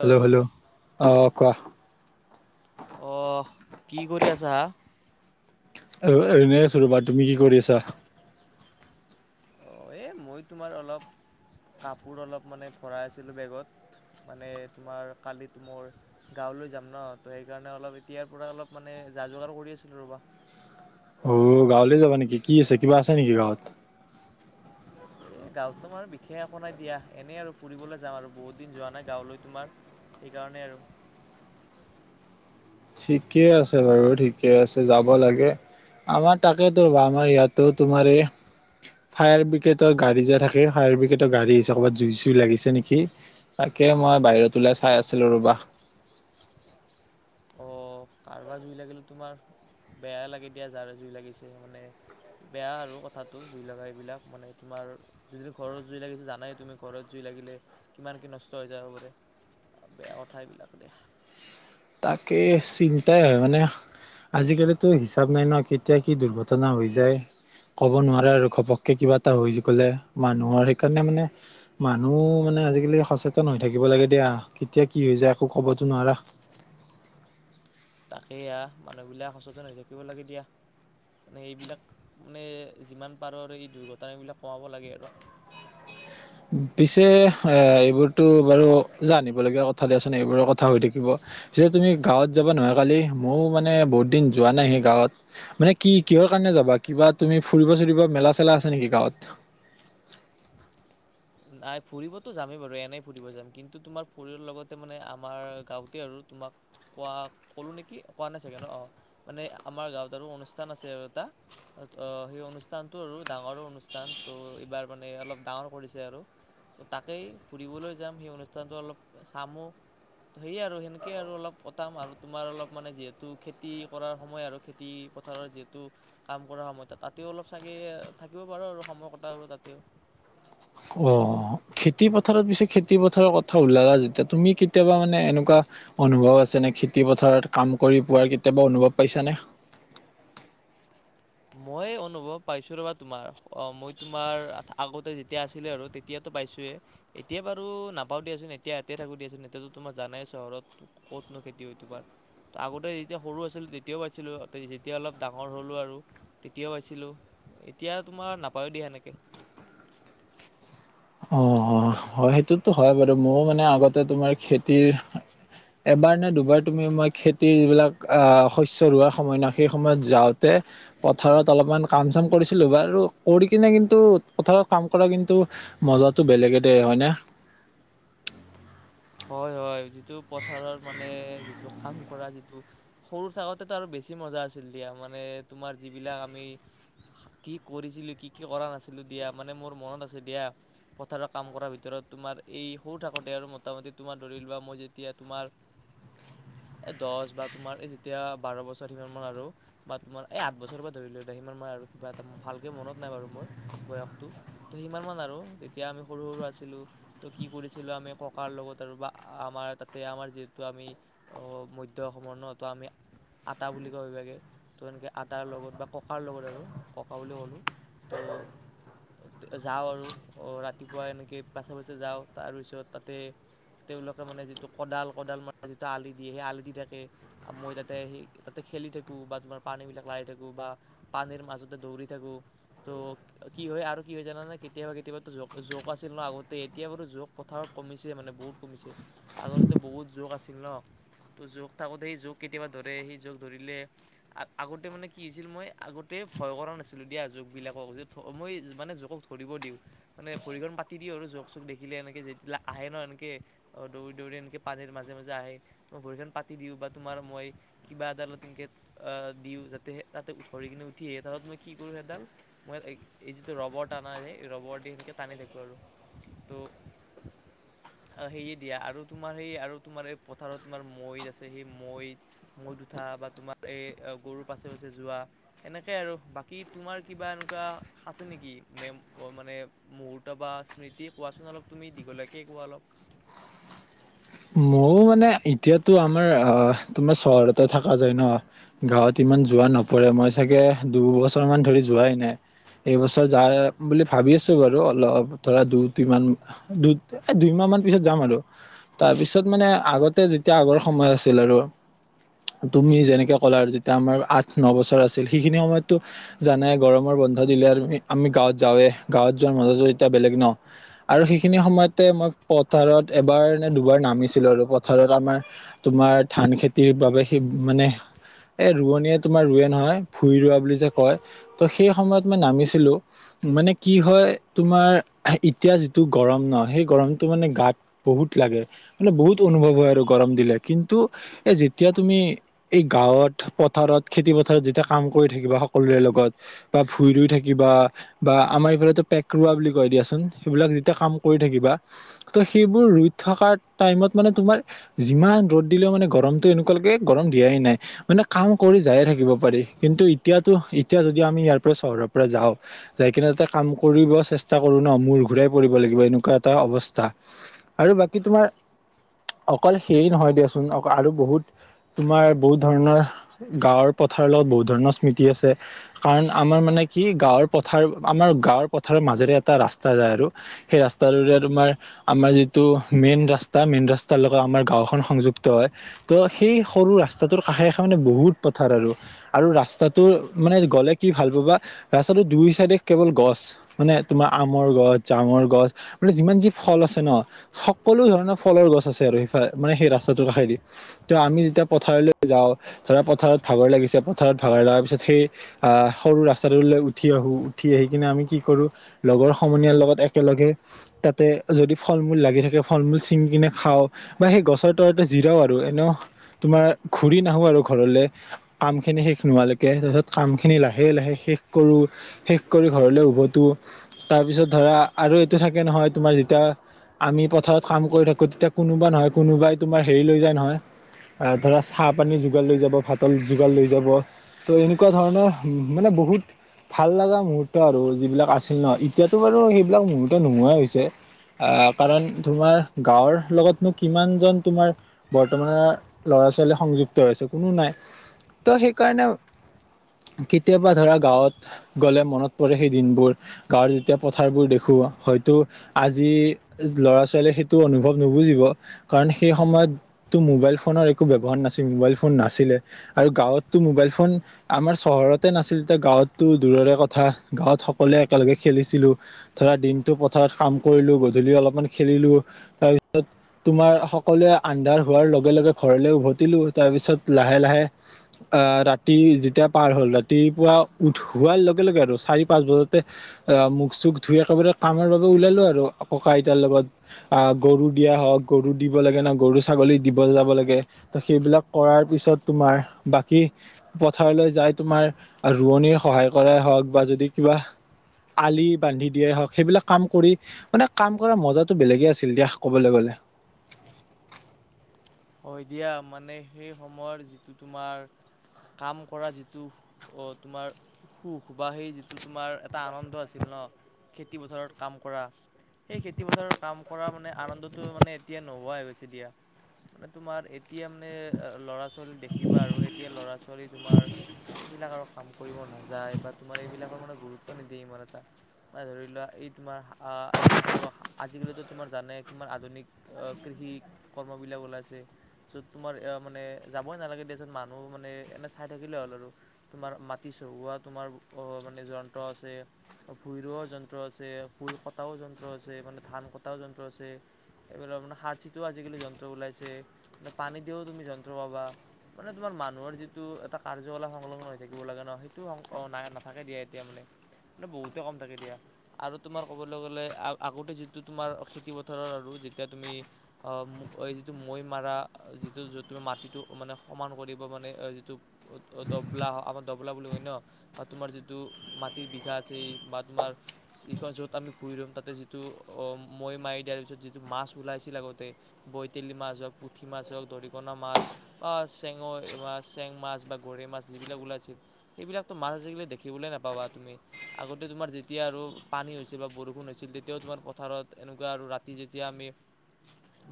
Hello hello অ' কোৱা। অ' কি কৰি আছা? অ' এনেই আছো ৰ'বা তুমি কি কৰি আছা? অ' এই মই তোমাৰ অলপ কাপোৰ অলপ মানে ভৰাই আছিলোঁ বেগত। মানে তোমাৰ কালিত ত মোৰ গাঁৱলৈ যাম ন ত সেইকাৰণে অলপ এতিয়াৰ পৰা অলপ মানে যা যোগাৰ কৰি আছিলো ৰবা। অ' গাঁৱলৈ যাবা নেকি কি আছে কিবা আছে নেকি গাঁৱত? [inaudible] এই গাঁৱতোমাৰ বিশেষ একো নাই দিয়া এনেই আৰু ফুৰিবলৈ যাম আৰু বহুত দিন যোৱা নাই গাঁৱলৈ তোমাৰ। সেইকাৰণে আৰু ঠিকে আছে বাৰু ঠিকে আছে যাব লাগে আমাৰ তাকেইেতোব আমাৰ ইয়াতো তোমাৰ এই ফায়াৰ ব্ৰিগেডৰ গাড়ী যে থে ফায়াৰ ব্ৰগেড গাড়ী ক'ৰবাত জুইুই লাগিছে নেকি। তাকে মই বাহিৰত ওলাই চাই আছিলো ৰবা। অ' কাৰোবাৰ জুই লাগিলে তোমাৰ বেয় লাগে দিয়া যাৰে জুই লাগিছে মানে বেয়া আৰু কথাতটো জুই লগা এইবিলাক মানে তোমাৰ যদি ঘৰত জুই লাগিছে জানাই তুমি ঘৰত জুই লাগিলে কিমান কি নষ্ট হৈ যাব পাৰে। বেয়া কথা এইবিলাক দে। তাকে চিন্তাই হয় মানে আজিকালিতো হিচাপ নাই ন কেতিয়া কি দুৰ্ঘটনা হৈ যায়। ক'ব নোৱাৰে আৰু ঘপককে কিবা এটা হৈ গ'লে মানুহৰ সেইকাৰণে মানে মানুহ মানে আজিকালি সচেতন হৈ থাকিব লাগে দিয়া কেতিয়া কি হৈ যায় একো কবতো নোৱাৰা। তাকেইয়া মানুহবিলাক সচেতন হৈ থাকিব লাগে দিয়া। মানে এইবিলাক মানে যিমান পাৰোঁ আৰু এই দুৰ্ঘটন এইবিলাক কমাব লাগে আৰু। পিছে এ এইবোৰতো বাৰু জানিব লগগীয়া কথা দিয়াচোন এইবোৰ ক কথা হৈ থাকিব পিছে তুমি গাঁৱত যাব নোৱাৰয় কালি ময়ো মানে বহুত দিন যোৱা নাই সেই গাঁৱত। মানে কি কিহৰ কাৰণে যাবা? কিবা তুমি ফুৰিব চুৰিব, মেলা চেলা আছে নেকি গাঁৱত? [inaudible] নাই ফুৰিবতো যামেই বাৰু, এনেই ফুৰিব যাম কিন্তু তোমাৰ ফুৰিৰ লগতে মানে আমাৰ গাঁওত তে আৰু তোমাক। কোৱা, ক'লো নেকি? কোৱা নাই চাগে ন, অ'। মানে আমাৰ গাঁৱত আৰু অনুষ্ঠান আছে আৰু এটা। অ' হেই অনুষ্ঠানটো আৰু ডাঙৰো অনুষ্ঠান, ত' এইবাৰ মানে অলপ ডাঙৰ কৰিছে আৰু। ত' তাকেই ফুৰিবলৈ যাম, হেই অনুষ্ঠানটো অলপ চামো। ত' হেইয়ে আৰু হেনেকে আৰু অলপ কতাম আৰু তোমাৰ অলপ মানে যিহেতু খেতি কৰাৰ সময় আৰু। খেতি পথাৰৰ যিহেতু কাম কৰা সময়। তাত, তাতেই অলপ চাগে থাকিব পাৰোঁ আৰু সময় কটাও আৰু তাতেই। অ' খেতি পথাৰত পিছে খেতি পথাৰৰ কথা ওলালা যেতিয়া তুমি কেতিয়াবা মানে এনেকুৱা অনুভৱ আছে নে? খেতি পথাৰত কাম কৰি পোৱাৰ কেতিয়াবা অনুভৱ পাইছা নে? মই অনুভৱ পাইছোঁ ৰ'বা তোমাৰ। অ' মই তোমাৰ আ-আগতে যেতিয়া আছিলে আৰু তে তিয়াতো পাইছোৱে। এতিয়া বাৰু নাপাওঁ দিয়াচোন, এতিয়া ইয়াতে থাকো দিয়াচোন, এতিয়াতো তোমাৰ জানাই চহৰত ক'তনো খেতি হয় তোবাৰ। ত' আগতে যেতিয়া সৰু আছিলোঁ তেতিয়াও আছিলোঁ [unintelligible] যেতিয়া অলপ ডাঙৰ হ'লো আৰু তেতিয়াওঁ আছিলোঁ। এতিয়া তোমাৰ নাপাওঁ দিয়া এনেকে। অ' হয় হেটোতো হয় বাৰু। মও মানে আগতে তোমাৰ খেতিৰ এবাৰ নে দুবাৰ তুমি মই খেতিৰ যিবিলাক আ শস্য ৰোৱাৰ সময় না সেই সময়ত যাওঁতে পথাৰত অলপমান কাম চাম কৰিছিলোঁ। বাৰু কৰি কিনে কিন্তু পথাৰত কাম কৰা কিন্তু মজাটো বেলেগে দে হয় না? হয় হয় যিটো পথাৰত মানে যিটো কাম কৰা যিটো সৰু থাকোতেতো আৰু বেছি মজা আছিল দিয়া মানে তোমাৰ যিবিলাক আমি কি কৰিছিলি, কি কি কৰা নাছিলোঁ দিয়া মানে মোৰ [unintelligible] আছে দিয়া। পথাৰত কাম কৰাৰ ভিতৰত তোমাৰ এই সও থাকোতে আৰু ম মোটামুটি তোমাৰ ধৰি লোৱা মই যেতিয়া তোমাৰ এ দছ বা তোমাৰ এই যেতিয়া বাৰ বছৰ সিমান মান আৰু। বা তোমাৰ এই আঠ বছৰ পা ধৰি [unintelligible] সিমান মই আৰু কিবা এটা ভালকে মনত নাই বাৰু মোৰ বয়সটো। ত' সিমান মান আৰু তেতিয়া আমি সৰু সৰু আছিলোঁ ত' কি কৰিছিলোঁ আমি ক কাৰ লগত আৰু বা আমাৰ তাতে, আমাৰ যিহেতু, আমি অ' মধ্য অসমৰ ন, ত' আমি আটা বুলি কয় অইভাগে। ত' এনেকে আটাৰ লগত বা ককাৰ লগত আৰু, ককা বুলি ক'লোঁ ত' যাওঁ আৰু, অ' ৰাতিপুৱা এনেকে পাছে পাছে যাওঁ, তাৰপিছত তাতে তেওঁলোকে মানে যিটো কদাল কদাল [unintelligible] যিটো আলি দিয়ে, হে আলি দি থাকে। মই তাতে আহি, তাতে খেলি থাকোঁ বা তোমাৰ পানী বিলাক লাই থাকো বা পানীৰ মাজতে দৌৰি থাকোঁ। ত' কি হয় আৰু কি হয় জানানে? কেতিয়াবা কেতিয়াবা জ-জোক আছিল ন আগতে এতিয়া বাৰু জোক থাৱত কমিছে মানে বহুত কমিছে। আগতেতো বহুত জোক আছিল ন। তো জোক থাকোঁতে এই জোক কেতিয়াবা ধৰে আহি, জোক ধৰিলে আ-আগতে মানে কি হৈছিল মই আগতে ভয় কৰা নাছিলোঁ দিয়া জোকবিলাকক যে ভ, মই মানে জোকক ভৰিব দিওঁ, মানে ভৰিখন পাতি দিওঁ আৰু জোক চোক দেখিলে এনেকে যে বিলাক আহে ন এনকে, অ' দৌৰি দৌৰি এনকে পানীৰ মাজে মাজে আহে। অ' ভৰিখন পাতি দিওঁ বা তোমাৰ মই কিবা এডালত তেনকে আ দিওঁ যাতে হে, তাতে উ, ধৰি কিনে উঠি আহে তাহত মই কি কৰোঁ হেডাল মই এইক, এ যিটো ৰবৰ টানা হে, ৰবৰ দি হেনেকে টানি থাকোঁ আৰু ত' [inaudible] অ' হেয়ে দিয়া আৰু তোমাৰ হেই আৰু তোমাৰ এ পথাৰত তোমাৰ মৈ আছে হেই মৈ মৈত উঠা বা তোমাৰ এ আ গৰু পাছে পাছে যোৱা। এনেকে আৰু বাকী তোমাৰ কিবা এনেকুৱা সাছে নেকি মেম, অ' মানে মুহূৰ্ত বা স্মৃতি কোৱাচোন অলপ তুমি দীঘলীয়াকেই কোৱা অলপ। অ ', মানে, এতিয়াতো আমাৰ অ তোমাৰ চহৰতে থকা যায় ন গাঁৱত ইমান যোৱা নপৰে, মই চাগে দুবছৰ মান ধৰি যোৱাই নাই এইবছৰ যায় বুলি ভাবি আছো, বাৰু অলপ ধৰা দুটিমান দু এ দুইমাহ মান পিছত, যাম আৰু তাৰ পিছত মানে আগতে যেতিয়া আগৰ সময় আছিল আৰু তুমি যেনেকে ক'লা, আৰু যেতিয়া আমাৰ আঠ ন বছৰ আছিল সেইখিনি সময়ত জানে, গৰমৰ বন্ধ দিলে আমি আমি গাঁৱত যাওঁৱে গাঁৱত যোৱাৰ মাজতো, এতিয়া বেলেগ ন আৰু সেইখিনি সময়তে, মই পথাৰত এবাৰ নে দুবাৰ নামিছিলো আৰু ধলত আমাৰ, তোমাৰ ধান খেতিৰ বাবে সি মানে এ ৰুৱনীয়ে তোমাৰ ৰোৱে নহয়, ভূই ৰোৱা বুলি যে কয় ত' সেই সময়ত মই নামিছিলো মানে কি হয়, তোমাৰ এতিয়া যিটো গৰম ন সেই গৰমটো মানে গাত বহুত লাগে, মানে বহুত, অনুভৱ হয় আৰু গৰম দিলে কিন্তু এ যেতিয়া তুমি এই গাঁৱত, পথাৰত খেতি পথাৰত যেতিয়া কাম কৰি থাকিবা সকলোৰে লগত- বা ভুঁই ৰুই থাকিবা বা আমাৰ এইফালেটো পেক ৰোৱা বুলি কয় দিয়াচোন, সেইবিলাক যেতিয়া কাম কৰি থাকিবা ত' সেইবোৰ ৰুই থকা টাইমত মানে তোমাৰ যিমান ৰ'দ দিলেও মানে, গৰমটো এনেকুৱা লাগে গৰম দিয়াই নাই মানে, কাম কৰি যায়ে থাকিব পাৰি, কিন্তু এতিয়াতো এতিয়া যদি আমি ইয়াৰ পৰা চহৰৰ পৰা যাওঁ যাই কিনে, তাতে কাম কৰিব চেষ্টা কৰো ন, মূৰ ঘূৰাই পৰিব লাগিব, এনেকুৱা এটা অৱস্থা আৰু, বাকী তোমাৰ অকল সেই নহয় দিয়াচোন, অক আৰু বহুত তোমাৰ বহুত ধৰণৰ গাঁৱৰ পথাৰৰ লগত বহুত ধৰণৰ স্মৃতি আছে। কাৰণ, আমাৰ মানে কি গাঁৱৰ পথাৰ আমাৰ গাঁৱৰ পথাৰৰ মাজেৰে এটা ৰাস্তা যায় আৰু। সেই ৰাস্তাটোৰে, তোমাৰ আমাৰ যিটো মেইন ৰাস্তা মেইন ৰাস্তা তাৰ লগত আমাৰ গাঁওখন সংযুক্ত হয়। ত, সেই সৰু ৰাস্তাটোৰ কাষে কাষে মানে বহুত পথাৰ আৰু আৰু ৰাস্তাটোৰ মানে গ'লে কি ভাল পাবা, ৰাস্তাটো দুই চাইডে কেৱল গছ- মানে তোমাৰ, আমৰ গছ, জামৰ গছ, মানে যিমান যি ফল আছে ন সকলো, ধৰণৰ ফলৰ গছ আছে আৰু সেইফালে মানে সেই ৰাস্তাটোৰ কাষেদি। ত' আমি যেতিয়া পথাৰলৈ যাওঁ, ধৰা পথাৰত ভাগৰ লাগিছে, পথাৰত ভাগৰ লগাৰ পিছত সেই আহ সৰু ৰাস্তাটোলৈ উঠি আহো উঠি আহি কিনে আমি কি কৰো লগৰ সমনীয়াৰ লগত একেলগে তাতে যদি ফল মূল লাগি থাকে ফল মূল ছিঙি কিনে খাওঁ। বা সেই গছৰ তলতে জিৰাও, আৰু এনেও তোমাৰ ঘূৰি নাহো আৰু ঘৰলে কাম খিনি শেষ নোহোৱালৈকে, তাৰ পিছত কাম খিনি লাহে লাহে শেষ কৰো শেষ কৰি ঘৰলে উভতো। তাৰপিছত ধৰা, আৰু এইটো থাকে নহয়, তোমাৰ যেতিয়া আমি পথাৰত কাম কৰি থাকোঁ তেতিয়া। কোনোবা নহয় কোনোবাই তোমাৰ হেৰি লৈ যায় নহয়। ধৰা চাহপানী যোগাৰ, লৈ যাব ভাতৰ যোগাৰ লৈ যাব। ত এনেকুৱা ধৰণৰ মানে বহুত ভাল লগা মুহুৰ্ত, আৰু যিবিলাক আছিল ন এতিয়াতো বাৰু সেইবিলাক মুহৰ্ত নোহোৱাই হৈছে আহ কাৰণ তোমাৰ গাঁৱৰ লগতনো কিমান জন তোমাৰ বৰ্তমানৰ ল'ৰা ছোৱালী সংযুক্ত হৈ আছে কোনো নাই। ত' সেইকাৰণে কেতিয়াবা ধৰা গাঁৱত গলে মনত পৰে সেই দিনবোৰ। গাঁৱৰ যেতিয়া পথাৰবোৰ দেখো হয়তো আজি ল'ৰা ছোৱালীয়ে সেইটো অনুভৱ নুবুজিব কাৰণ সেই সময়ত তো মোবাইল ফোনৰ একো ব্যৱহাৰ নাছিল মোবাইল ফোন নাছিলে। আৰু গাঁৱততো মোবাইল ফোন আমাৰ চহৰতে নাছিল, যেতিয়া গাঁৱততো দূৰৰে কথা গাঁৱত সকলোৱে একেলগে খেলিছিলো। ধৰা দিনটো পথাৰত কাম কৰিলো, গধূলি অলপমান খেলিলো তাৰপিছত তোমাৰ সকলোৱে আন্ধাৰ হোৱাৰ লগে লগে ঘৰলে উভতিলো তাৰ পিছত লাহে লাহে আহ ৰাতি যেতিয়া পাৰ হ'ল ৰাতিপুৱা উঠোৱাল লগে লগে আৰু চাৰি পাঁচ বজাতে অ মুখ চুখ ধুই একেবাৰে কামৰ বাবে ওলালো আৰু ককা আইতাৰ লগত আহ গৰু দিয়া হওক গৰু দিব লাগে না গৰু ছাগলী দিব যাব লাগে ত সেইবিলাক কৰাৰ পিছত তোমাৰ বাকী পথাৰলৈ যাই তোমাৰ ৰোৱনিৰ সহায় কৰাই হওক বা যদি কিবা আলি বান্ধি দিয়াই হওক সেইবিলাক কাম কৰি মানে কাম কৰাৰ মজাটো বেলেগে আছিল দিয়া ক'বলৈ গ'লে হয় দিয়া মানে সেই সময়ৰ যিটো তোমাৰ কাম কৰা যিটো তোমাৰ সুখ বা সেই যিটো তোমাৰ এটা আনন্দ আছিল ন খেতি পথাৰত কাম কৰা সেই খেতিপথাৰৰ কাম কৰা মানে আনন্দটো মানে এতিয়া নোহোৱাই গৈ হৈছে দিয়া মানে তোমাৰ এতিয়া মানে ল'ৰা ছোৱাল দেখিবা আৰু এতিয়া ল'ৰা ছোৱালী তোমাৰ এইবিলাক আৰু কাম কৰিব নাযায় বা তোমাৰ এইবিলাকৰ মানে গুৰুত্ব নিদিয়ে ইমান এটা ম ধৰি লোৱা এই তোমাৰ এই যিটো আজিকালিো তোমাৰ জানে কিমান আধুনিক অ কৃষি কৰ্মবলাক ওলাইছে য'ত তোমাৰ এ মানে যাবই নালাগে দেত মানুহ মানে এনে চাই থাকিলে হ'ল আৰু তোমাৰ মাটি চহোৱা তোমাৰ আহ মানে যন্ত্ৰ আছে ভুই ৰৱা যন্ত্ৰ আছে ভুই কটাও যন্ত্ৰ আছে মানে ধান কটাও যন্ত্ৰ আছে এইবিলাক মানে সাৰ চিিতও আজিকালি যন্ত্ৰ ওলাইছে মানে পানী দিয়েও তুমি যন্ত্ৰ পাবা মানে তোমাৰ মানুহৰ যিটো এটা কাৰ্যকলাপ সংলগ্ন হৈ থাকিব লাগে ন সেইটো অ ন নাথাকে দিয়ে এতিয়া মানে মানে বহুতে কম থাকে দিয়া আৰু তোমাৰ ক'বলৈ গ'লে আগতে যিটো তোমাৰ খেতি পথাৰৰ আৰু যেতিয়া তুমি অ যিটো মৈ মাৰা যিটো য তুমি মাটিটো মানে সমান কৰিব মানে যিটো অ দবলা আমাৰ দবলা বুলি হয় ন বা তোমাৰ যিটো মাটিৰ বিঘা আছে বা তোমাৰ ইখন য'ত আমি পুৰি ৰম তাতে যিটো অ মৈ মাৰি দিয়াৰ পিছত যিটো মাছ ওলাইছিল আগতে বইতলি মাছ হওক পুঠি মাছ হওক দৰিকণা মাছ অ চেঙৰ বা চেং মাছ বা গৰৈ মাছ যিবিলাক ওলাইছিল সেইবিলাকতো মাছ আজিকালি দেখিবলৈ নাপাবা তুমি আগতে তোমাৰ যেতিয়া আৰু পানী হৈছিল বা বৰষুণ হৈছিল তেতিয়াও তোমাৰ পথাৰত এনেকুৱা আৰু ৰাতি ম আি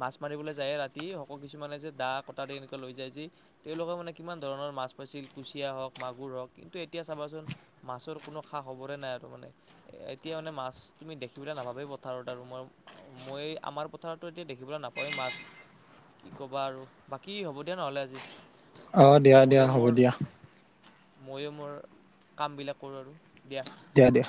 ম মাৰিবলৈ যায় ৰাতি সকলো কিছুমানে যে দা কটাৰ দি এনেকুৱৈ লৈ যায় যি তেওঁলোকৰ মানে কিমান ধৰণৰ মাছ পাইছিল কুচিয়া হওক মাগুৰ হওক কিন্তু এতিয়া চাবাচোন মাছৰ কোনো খা হবৰে নাই আৰু মানে এ এতিয়া মানে মাছ তুমি দেখিবলৈ নাভাবেই পথাৰত আৰু মই অ মই আমাৰ পথাৰতো এতিয়া দেখিবলৈ নাপাওঁ তই মাছ কি ক'বা আৰু বাকী হ'ব দিয়া নহ'লে আজি অ দিয়া দিয়া ময়ো হ'ব মোৰ দিয়া ময়ো মোৰ কামবিলাক কৰোঁ আৰু দিয়া তেয়া দেিয়া